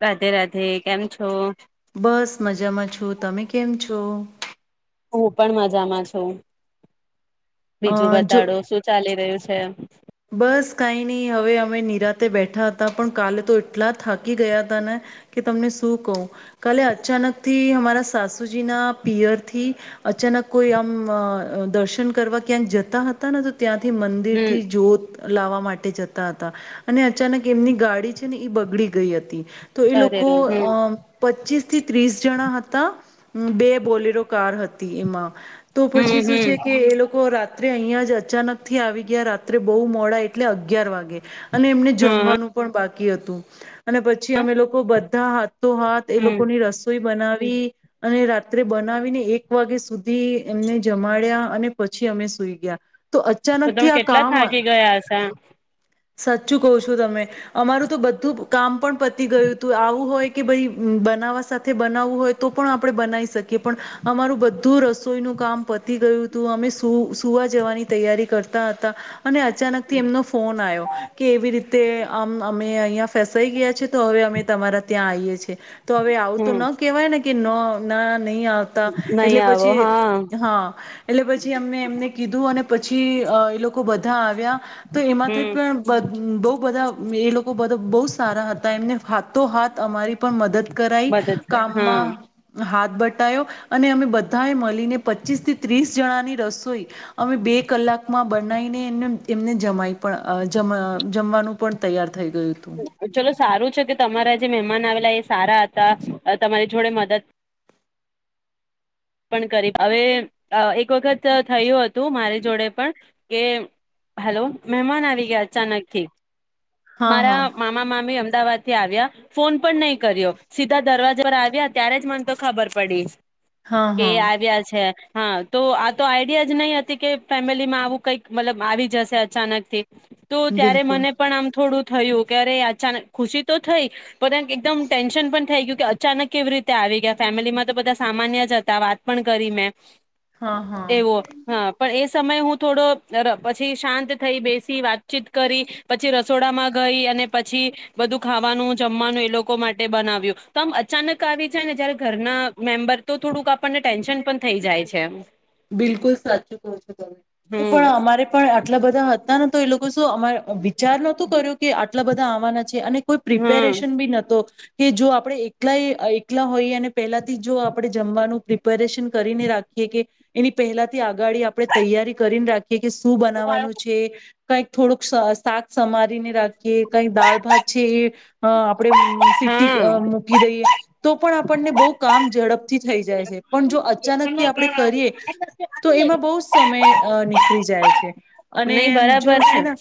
રાધે રાધે કેમ છો. બસ મજામાં છું તમે કેમ છો. હું પણ મજામાં છું. અ બીજું જો બતાડો શું ચાલી રહ્યું છે. હે બસ કઈ નહી હવે અમે નિરાતે બે ઠા હતા પણ કલે તો. એટલા થાકી ગયા હતા ને કે તમને શું કહું. કલે અચાનકથી કી અમારા સાસુજી ના પિયર થી અચાનક કોઈ આમ દર્શન કરવા ક્યાંક જતા હતા ના તો ત્યાંથી મંદિર થી હમ જો લાવવા માટે જતા હતા અને અચાનક એમની ગાડી છે ને એ બગડી ગઈ હતી. તો એ અરે લોકો રે હમ અ પચીસ. થી ત્રીસ જણા હતા બે બોલેરો કાર હતી એમાં. તો પછી હમ હમ શું છે કે એ લોકો રાત રાત્રે અહિયાં જ અચાનક થી આવી ગયા રાત્રે. બહુ મોડા એટલે અગિયાર વાગે. અને એમને હમ જમવાનું પણ બાકી. કી હતું. અને પછી અમે લોકો બ બધા તો હાથ એ હમ લોકો ની રસોઈ બનાવે. વી અને રાત્રે બનાવીને એક વાગ્યા સુધી એમને જમાડ્યા અને પછી અમે સુઈ ગયા. તો અચાનક તો તમે થી આ કેટલા કામ આવે. થાકી [unintelligible] સાચું કહ છું તમે. અમારું તો બધું કામ પણ પતી ગયું હતું આવું હોય કે ભાઈ બનાવવા સાથે બનાવવું હોય તો પણ આપડણે બનાવી શકીએ પણ અમારું બધું. સોઈનું કામ પતી ગયું. તું અમે સુ સુવા જવાની તૈયારી કરતા હતા. અને અચાનકથી એમનો ફોન આવ્યો. એવી રીતે. કે આ અમે અહંયા. ફસાાઈ ગયા છે તો હવે અમે. તમારા ત્યાં આઈએ છે તો હવે આવું તો હમ ન કેવાય ને કે ન ના ની આવતા નહી એટલે આવો પછી હા હા એટલે પછી અમને એમને કીધું પછી અ લોકો બધા આવ્યા તો એમાંથી હમ પણ બઉ બધા એ લોકો બધ બહુ સારા હતા એમને હાથો હાથ અમારી પણ મદદ કર્યા મદદ કર હા કામમાં હા બટોયો અને અમે બધાએ મળીને પચીસ થી ત્રીસ જણાની રસોઈ અમે બે કલાકમાં બનાવીને એને એમને જમાઈ પણ જ જમવાનું પણ તૈયાર થઈ ગયું હતું. ચલો સારું છે કે તમારા જે મહેમાન આવેલા એ સારા હતા તમારી જોડે મદદ પણ કરી હવે એક વખત થયું હતું મારી જોડે પણ કે હલો મહેમાન આવી ગયા અચાનક થી હા મારા હા. મામા મામી અમદાવાદ આવ્યા ફોન પણ નહી કર્યો સીધા દરવાજા પર આવ્યા ત્યારે જ મને તો ખબર પડી હા એ હા આવ્યા છે. હા તો આ તો આઈડિયા જ નહી હતી કે ફેમિલી માં આવું કઈક મતલબ આવી જશે અચાનક થી. તો ત્યારે બિલકુલ મને પણ આમ થોડું થયું ક્યારે અચાનક ખુશી તો થઈ પણ એકદમ ટેન્શન પણ થઈ ગયું કે અચાનક કેવી રીતે આવી ગયા ફેમિલીમાં તો બધા સામાન્યજ તા વાત પણ કરી મેં. હા હા. એવું હા. પણ એ સમયે હું થોડો ર પછી શાંત થઈ બેસી વાતચીત કરી પછી રસોડામાં ગઈ અને પછી બધું ખાવાનું જમવાનું એ લોકો માટે બનાવ્યું તો આમ અચાનક આવી છે ને જયારે ઘરના મેમ્બર તો થોડુંક આપ પણને ટેન્શન પણ થઈ જાય છે. બિલકુલ સાચું કો છો તમે તો હમ પણ અમારે પણ આટલા બધા હતા ન તો એ લોકો શુ અમારે વિચાર નતું કર્યો કે આટલા બધા આવાના છે અને કોઈ હમ પ્રિપેરેશન બી નહતો. કે જો આપણે એકલાય એકલા હોઈએ અને પેલાથી જો આપણે જમવાનું પ્રિપેરેશન કરીને રાખીએ કે એની પહેલા થી આગાળ આપણે તૈયારી કરીને રાખ કે કે શું બનાવાનું છે. કઈક થોડુંક શ શાક સમારીને રાખીએ કઈક દાળ ભાત છે એ અ આપણે સીટી હા મૂકી દઈએ તો પણ આપણને બહ કામ ઝડપથી થઈ જાય છે. પણ જો અચાનકથી આપણે કરીએ. તો એમાં બહુ સમય નીકળી જાય છે, અને નહી જો બરાબર છે ને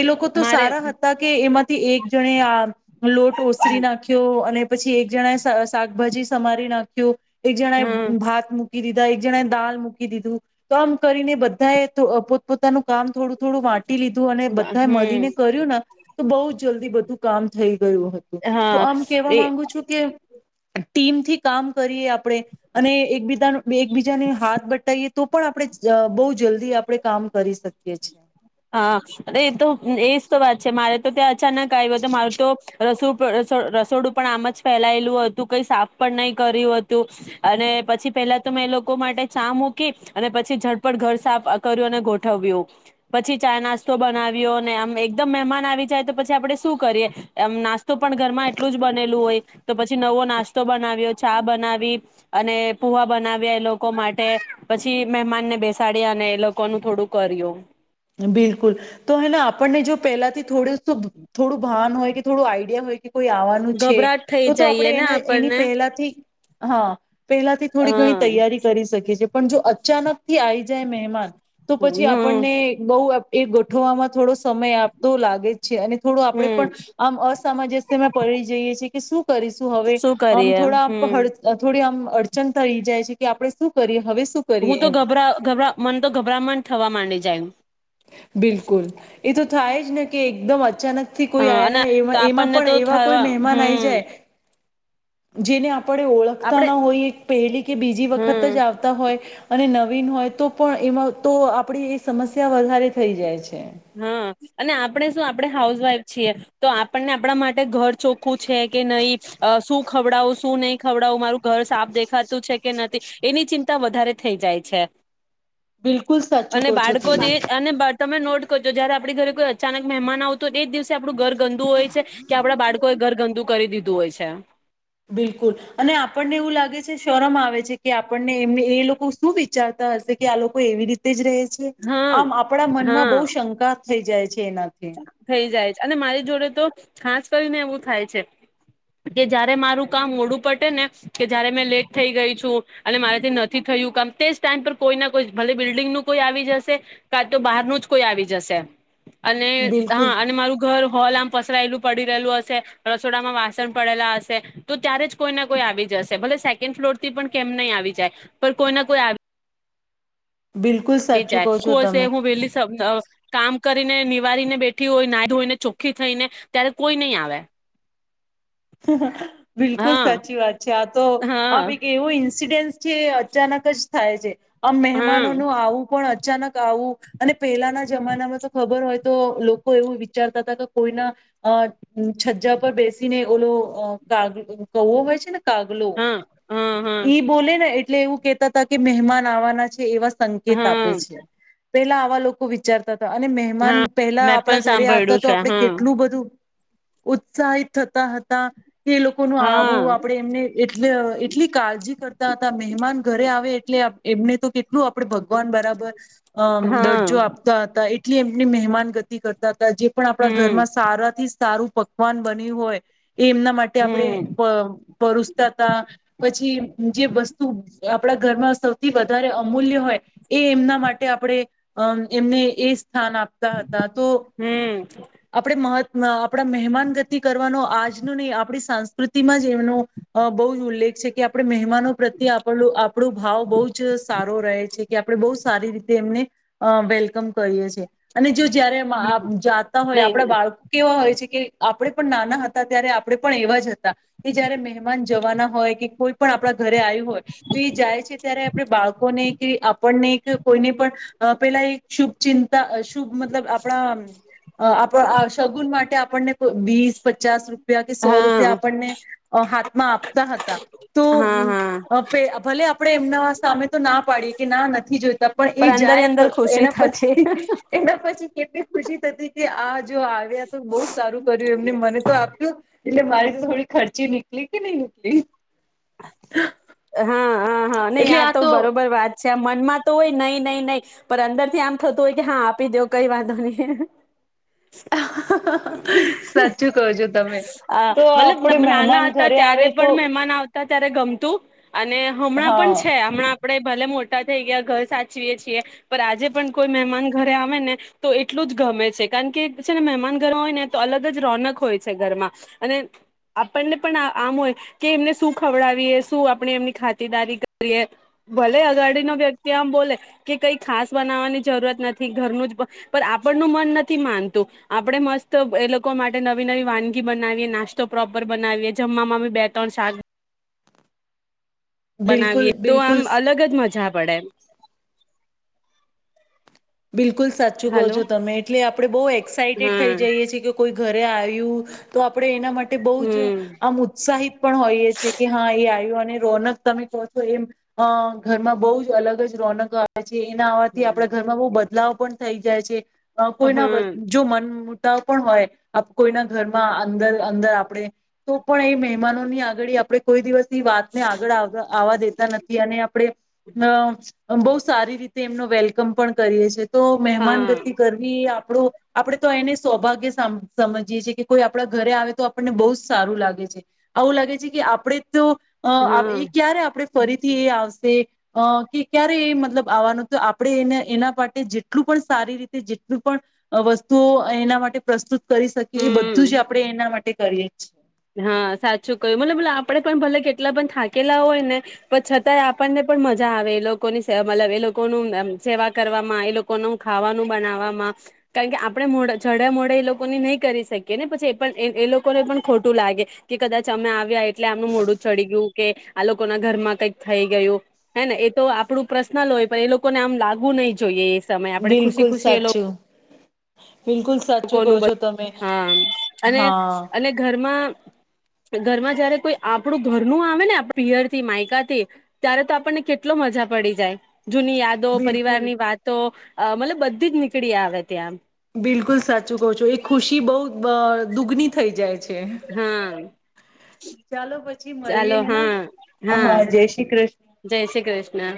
એ લોકો તો મારે સારા હતા કે એમાં થી એક જણે આ લોટ ઓસરી નાખ્યો અને પછી એક જણા શાકભાજી સમારી નાખ્યું. એક જણા હા ભાત મૂકી દીધા એક જણા દ મકી દીધું, તો આમ કરીને બધા એ પોતપ પોતાનું કામ થોડું થોડું વાટી લીધું અને બધા હમ મળીને કર્યું ને. તો બઉુ જલ્દી બધું કામ થઈ ગું હતું, તો હા આમ કેવા એ માંગુ છું કે ટીમથી કામ કરીએ આપડણે અને, એકબીજાનું બે એકબીજાને હાથ એ તો પણ આપણે બહુ જલ્દી આપડણે કામ કરી શકીએ છે. હા અરે એ તો એજ તો વાત છે મારે તો ત્યાં અચાનક આવ્યું હતું મારું તો રસો રસોડું પણ આમ જ ફેલાયેલું હતું કઈ સાફ પણ નહી કર્યું હતું, અને પછી પેલા તો મેં એ લોકો માટે ચા મૂકી અને પછી ઝડપટ ઘર સાફ કર્યું અને ગોઠવ્યું. પછી ચા નાસ્તો બનાવ્યો અને આમ એકદમ મહેમાન આવી જાય તો પછી આપડે શું કરીએ એમ, નાસ્તો પણ ઘરમાં એટલું જ બનેલું હોય તો પછી નવો નાસ્તો બનાવ્યો ચા બનાવી, અને પુવા બનાવ્યા એ લોકો માટે પછી મહેમાનને બેસાડ્યા અને એ લોકોનું થોડું કર્યું. બિલકુલ તો હેને આપણને જો પહેલાથી થોડું શું થોડું ભાન હોય કે થોડું આઈડિયા હોય કે કોઈ આવવાનું છે, ગભરાટ થઈ તો તો જઈએ આપણે ને એના એની આપણને પહેલાથી હા પહેલાથી થોડી હા ઘણી તૈયારી કરી શકીએ છીએ પણ જો અચાનક થી આવી જય મેહેમાન તો પછી હમ આપણને બ એ ગોઠવામાં થોડો સમય આપતો લાગે અને થોડું આપણે પણ હમ આમ અસામજસ્યમાં પડી જઈએ છેએ કે શું કરીશું હવે શું આમ કરીએ હમ થોડા થોડી આમ અડચણ થય જાય છે કે આપડણે શું કરીએ હવે શું કરીએ હું તો એમ ગભરા ગ મન તો ગભરામણ થવા માંડી જાયું બિલકુલ એ તો થાય જ ને કે એકદમ અચાનક થી હ કોઈ અને આવે તો એ એમાં આપણને તો પણ એવા કોઈ થવા મહેમાન આઈ હમ જાય જિને આપને આપણે ઓળખતા આપડે ના હોય પહેલી કે બીજી વખત જ હમ આવતા હોય અને નવીન હોય તો પણ એમાં તો આપડી એ સમ ત્યા વધારે થઇ જાય છે હા અને આપણે શું આપણે હાઉસવાઈફ છીએ તો આપણને આપણા માટે ઘર ચોખ્ખું છે કે નહી શું ખવડાવું શું નહીં ખવડાવું મારું ઘર સાફ દેખાતું છે કે નથી એની ચિંતા વધારે થઈ જાય છે બિલકુલ સાચું અને કહો છો બાળકો જે તમે અને તમે નોટ તો જોજો આપડી ઘરે કોઈ અચાનક મહેમાન આવ તો એ જ દિવસે આપું ઘર ગંદુ હોય છે કે આપડા બાળકોએ ઘર ગંદુ કરી દીધું હોય છે બિલકુલ અને આપણને એવું લાગે છે શરમ આવે છે કે આપણને એમને એ લોકો શું વિચારતા હશે કે આ લોકો એવી રીતે જ રહે છે આમ હા આપણા મનમાં બો હા શંકા થઈ જાય. છે એનાથી થઈ જાય છે અને મારી જોડે તો. ખાસ કરીને એવું થાય છે કે જયારે મારું કામ મોડું પટે ને કે જયારે મેં લેટ થઈ ગઈ છું અને મારેથી નથી થયું કામ તે જ ટાઈમ પર કોઈ ના કોઈ ભલે બિલ્ડિંગ નું કોઈ આવી જશે કા તો બહાર ન જ કોઈ આવી જશે. અને હા બિલકુલ અને મારું ઘર હોલ આમ. પસરાયેલું પડી રહેલું હશે રસોડામાં વાસણ પડેલા હશે તો ત્યારે જ કોઈ ના કોઈ આવી જાય ભલે સેકન્ડ ફ્લોર થી પણ કેમ નહી આવી જાય પણ કોઈ ના કોઈ આવી. બિલકુલ આવી સાચું કહો જાય છો હું હશે તમે હું વેલી કામ કરી. ને નિવારીને બેઠી હોય નાઈધોઈને ચોખ્ખી થઈને ત્યારે કોઈ નહી આવે. બિલકુલ હા સાચી વાત છે આ તો આપ હા એક એવું ઇન્સિડેન્. જે અચાનક જ થાય છે. આમ હા મહેમાનો નું આવું પણ. અચાનક આવું અને. પેલાના જમાનામાં તો ખબર હોય. તો લોકો એવું વિચારતા હતા કે કોઈના અ છજા પર બેસીને. ઓલો ક કૌવો હોય છે ને. કાગલો હા હા હા ઈ બોલે એ. એટલે એવું કેહેતા હતા કે મહેમાન આવાના છે એવા. સંકેત આપે હા છે. તેલા આવા લોકો વિચારતા અને મહેમાન પહેલા મેં આપણા પણ ઘરે આવતા સાંભળ્યું તો છે આપડે હા કેટલું બધું ઉત્સાહિત હતા. હતા. કે એ લોકો ન હા આવું આપડે એમને એટલે એટલી કાળજી કરતા હતા મહેમાન ઘરે આવે એટલે એમને તો કેટલું આપડ ભગવાન બરાબર. અમ હા દરજો આપતા હતા એ. એટલી એમની મહેમાન ગતિ કરતા. જે પણ આપણા હમ ઘરમાં સારા થી સારું. પકવાન બની્યું હોય. એ એમના માટે આપણે હમ પરોસતા હતા પછી જે વસ્તુ. આપણા ઘરમાં સૌથી વધારે અમૂલ્ય હોય એ એમના માટે આપણે અ એમને એ. સ્થાન આપતા હતા તો હમ હમ આપણે મહ. આપડા મહેમાન ગતિ કરવાનો. આજ ન નહી આપણી સંસ્કૃતિમાં જ એમનો બહુ જ ઉલ્લેખ છે કે આપણે. નો પ્રત્ય આપું આપણું. ભાવ બહ જ સારો રહે છે કે આપણે બહ સારી રીતે એમને વેલકમ કરીએ છી અને. જયારે જાતા હોય નહી આપડા બાળકો કેવા હોય છે કે. આપડે પણ નાના હતા. ત્યારે આપણે પણ એવા જ હતા કે જયારે મહેમાન જવાના હોય કે કોઈ પણ આપણા ઘરે આવ્યું હોય તો એ જાય છે ત્યારે આપણે બાળકોને કે આપણને એક કોઈને પણ પેલા એક શુભ ચિંતા. શ મતલબ આપણા આપ. સગુન માટે આપણને. વીસ પચ. રૂપ કે સો હા રૂપિયા આપણને હાથમાં આપતા હતા તો હા હા ભલે. આપણે એમના સામે તો ના પાડીએ કે ના નથી જોઈ. પણ એ અંદર જાય અંદર ખુશી એના થતી પછી એના પછી. કેટલી ખુશી થતી કે આ જો આવ્યા તો બહુ સારું કર્યું એમને મને. તો આપ્યું એટલે મારી તો થોડી ખર્ચી નીકળ કે નઈ નીકળ. હા. હા હા ને યા તો બરોબર વાત. મનમાં તો હોય નહી નહી નહીિ પણ અંદર થી આમ થતું હોય કે હા આપી દવ કઈ વાંધો નહી. સાચું કહજો તમે અ તો આપડે મતલબ મહેમાન નાના હતા ઘરે આવે ત્યારે તો. પણ મહેમાન આવતા ત્યારે ગમતું. અને હમણાં પણ હા છે હમણાં. આપણે ભલે મોટા થઈ ગયા ઘર સાચવીએ છીએ પર આજે પણ કોઈ મહેમાન ઘરે આવે ને તો એટલું જ ગમે છે કારણ કે છે ને મહેમાન ઘર હોય ને તો અલગ જ રોનક હોય છે ઘરમાં અને આપણને પણ આમ હોય કે એમને શું ખવડાવીએ શું આપ. આપણે એમની ખાતદારી કરીએ ભલે અઘાડી ન વ્યક્તિ આમ બોલે કે કઈ ખાસ બનાવવાની જરૂરત નથી ઘરનું જ પણ આપણ ન મન નથી માનતું આપણે મસ્ત એ લોકો માટે નવી નવી વાનગી બનાવીએ નાસ્તો પ્રોપર બનાવીએ જમવામાં બે ત્રણ શાક. બિલકુલ બનાવીએ તો આમ બિલકુલ અલગ જ મજા આપે. બડ. બિલકુલ. બિલકુલ સાચું કહો છો તમે એટલે આપણે બહુ એક્સાઇટેડ થઈ હા જઈએ છીએ કે કોઈ. ઘરે આવ્યું તો આપણે એના માટે બહ જ હમ આમ ઉત્સાહિત પણ હોઈએ છે કે હા એ આવ્યું. રોનક તમે કહો છો એમ ઘરમાં બહ જ અલગ જ રોનક આવે છે. એના આવવાથી આપડ ઘર એમાં બો બદલાવ પણ થઈ જાય છે. કોઈના હા જો મન ત પણ હોય, કોઈના ઘરમાં અંદર અંદર આપણે, તો પણ એ મહેમાનોની આગળ આપે કોઈ દિવસ તી વાત ને આગળ નથી અને આપણે બો સારી રીતે એમનો વેલકમ પણ કરીએ છીએ. તો મહેમાન હા ગતિ કરવી એ પણુ આપણે તો એને સૌભાગ્ય સમ સમજીએ છીએ કે કોઈ આપણા ઘરે આવે તો આપણને બહુ જ સારું લાગે છે, આવું લાગે છે કે આપણે તો અહ હા એ ક્યારે આપડે ફરીથી એ આવશે અહ કે ક્યારે એ મતલબ આવવાનું તો આપણે એને એના માટે જેટલું પણ સારી રીતે જેટલું પણ અહ વસ્તુઓ એના માટે પ્રસ્તુત કરી શકીએ એ બધું હમ જ આપણે એના માટે કરીએ છીએ. હા, સાચું કહ્યું. મતલબ આપણે પણ ભલે કેટલા પણ થાકેલા હોય ને પણ છતાંય આપણને પણ મજા આવે એ લોકોની સે મતલબ એ લોકોનું આમ સેવા કરવામાં, એ લોકોનું ખાવાનું બનાવવામાં, કારણ કે આપણે મોડ જડે મોડે એ લોકોની નહી કરી શકીએ ને, પછી એ પણ એ એ લોકોને પણ ખોટું લાગે, કે કદાચ અમે આવ્યા એટલે આમનું મોડું ચડી ગયું, કે આ લોકો ના ઘરમાં કઈક થઈ ગયું? હે ને? એ તો આપડું પ્રર્સનલ હોય, પણ એ લોકોને આમ લાગવું નહી જોઈએ એ સમયે આપણે ખુશી બિલકુલ ખુશી એ સાચું. બિલકુલ સાચું કહો લોકોનું છો તમે હા અને હા અને ઘરમાં ઘરમાં જયારે કોઈ આપણું ઘરનું આવે ને પ્રિયર થી, માયકાથી, ત્યારે તો આપણને કેટલો મજા પડી જાય. જૂની યાદો, બિલકુલ પરિવારની વાતો અ. મતલબ બધી જ નીકળી આવે ત્યાં એમ. બિલકુલ સાચું કહો છો, એ ખુશી બઉ અહ દુગ્ની થઈ જાય છે. હા, ચાલો પછી ચાલો મળીએ હેના હા, હા જય શ્રી કૃષ્ણ જય શ્રી કૃષ્ણ.